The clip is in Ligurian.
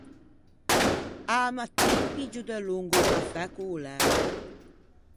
A-a mattin piggio delongo o cafè co-o læte.